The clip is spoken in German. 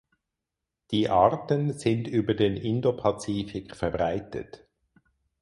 Die Arten sind über den Indopazifik verbreitet.